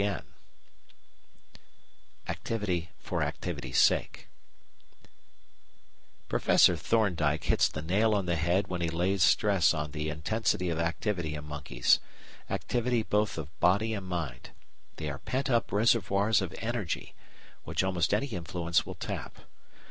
] Activity for Activity's Sake Professor Thorndike hits the nail on the head when he lays stress on the intensity of activity in monkeys activity both of body and mind. They are pent up reservoirs of energy, which almost any influence will tap.